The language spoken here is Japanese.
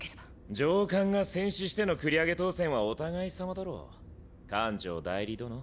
上官が戦死しての繰り上げ当選はお互いさまだろ艦長代理殿。